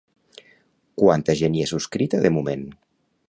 Quanta gent hi ha subscrita de moment?